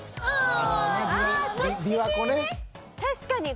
ああ！